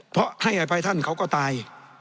เพราะให้อภัยท่านเขาก็ตาย